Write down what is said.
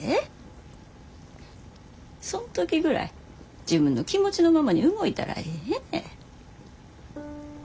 そん時ぐらい自分の気持ちのままに動いたらええねん。